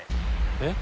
えっ！